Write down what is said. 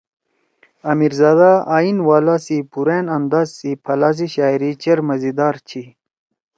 آمیرزادہ آئین والا سی پُوران انداز سی پھلا سی شاعری چیر مزیدار چھی۔